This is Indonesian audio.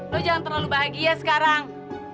lo jangan terlalu bahagia sekarang